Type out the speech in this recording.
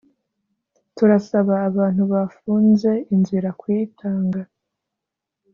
Turasaba abantu bafunze inzira kuyitanga